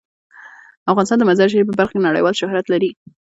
افغانستان د مزارشریف په برخه کې نړیوال شهرت لري.